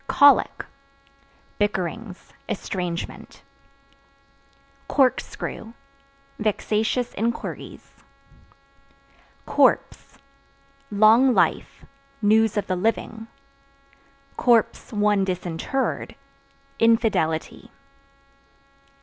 Colic Bickerings, estrangement Corkscrew Vexatious inquiries. Corpse Long life; news of the living; (one disinterred) infidelity.